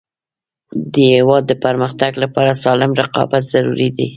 د هیواد د پرمختګ لپاره سالم رقابت ضروري دی.